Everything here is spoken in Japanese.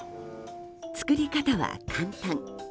作り方は簡単。